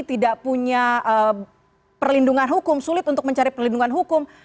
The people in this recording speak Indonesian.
tidak punya perlindungan hukum sulit untuk mencari perlindungan hukum